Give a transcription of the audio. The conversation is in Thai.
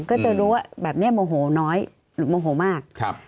ก็จะรู้ว่าแบบนี้โมโหน้อยหรือโมโหมาก